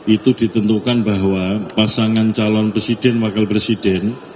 itu ditentukan bahwa pasangan calon presiden wakil presiden